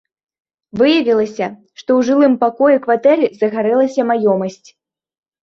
Выявілася, што ў жылым пакоі кватэры загарэлася маёмасць.